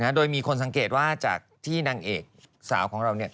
โดยมีคนสังเกตว่าจากที่นางเอกสาวของเรา